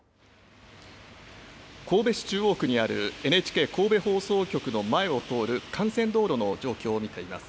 神戸市中央区にあるＮＨＫ神戸放送局の前を通る幹線道路の状況を見ています。